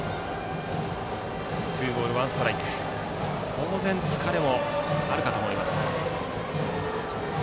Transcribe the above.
当然疲れもあるかと思います。